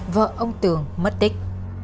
vợ ông tường mất tích